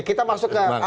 kita masuk ke